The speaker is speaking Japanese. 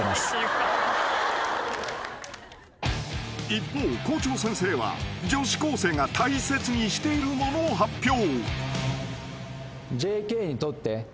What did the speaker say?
［一方校長先生は女子高生が大切にしているものを発表］